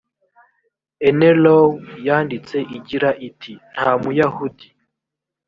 enelow yanditse igira iti nta muyahudi